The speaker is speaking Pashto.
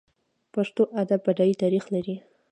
پښتو ادب بډای تاریخ لري.